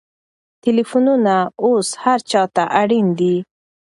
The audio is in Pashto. ټلېفونونه اوس هر چا ته اړین دي.